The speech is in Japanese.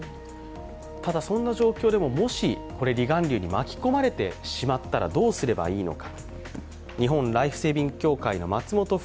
ただ、そんな状況でも、もし離岸流に巻き込まれてしまったらどうすればいいのか。